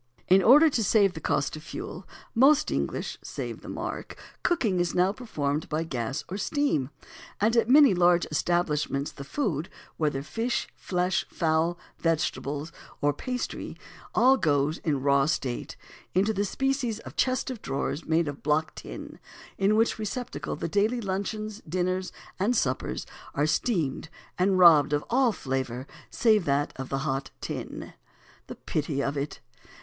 In order to save the cost of fuel, most English (save the mark!) cooking is now performed by gas or steam; and at many large establishments the food, whether fish, flesh, fowl, vegetables or pastry, all goes, in a raw state, into a species of chest of drawers made of block tin, in which receptacle the daily luncheons, dinners, and suppers are steamed and robbed of all flavour, save that of hot tin. The pity of it!